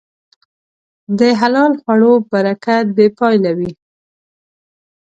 د حلال خوړو برکت بېپایله وي.